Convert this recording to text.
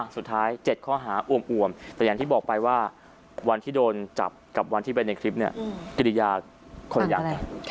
สุดท้าย๗ข้อหาอวมแต่อย่างที่บอกไปว่าวันที่โดนจับกับวันที่ไปในคลิปเนี่ยกิริยาคนละอย่างกัน